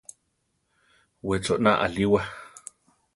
We chona ariwa.